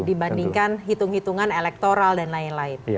dibandingkan hitung hitungan elektoral dan lain lain